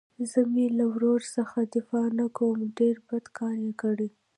زه مې له ورور څخه دفاع نه کوم ډېر بد کار يې کړى.